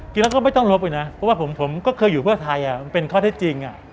กินน่อก็ไม่ต้องรบไปนะเพราะผมผมก็เชื่ออยู่ไทยเป็นข้อที่จริง